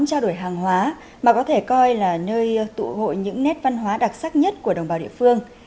trao đổi hàng hóa mà có thể coi là nơi tụ hội những nét văn hóa đặc sắc nhất của đồng bào địa phương